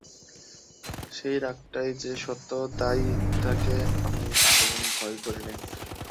সেই রাগটাই যে সত্য, তাই তাকে আমি তেমন ভয় করি নে।